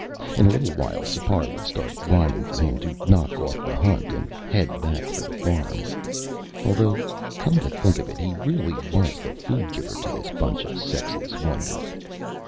In a little while, Sipar would start whining for him to knock off the hunt and head back for the farm. Although, come to think of it, he really was the food giver to this bunch of sexless wonders.